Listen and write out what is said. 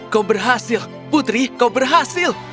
kau berhasil putri kau berhasil